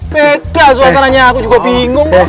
beda suasananya aku juga bingung